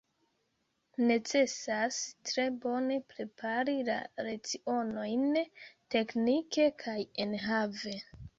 Necesas tre bone prepari la lecionojn teknike kaj enhave.